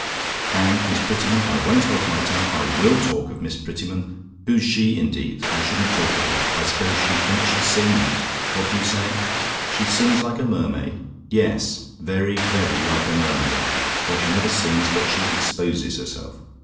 "And Miss Prettyman I won't hold my tongue. I WILL talk of Miss Prettyman: who's she, indeed, that I shouldn't talk of her? I suppose she thinks she sings? What do you say? "SHE SINGS LIKE A MERMAID? "Yes, very very like a mermaid; for she never sings but she exposes herself.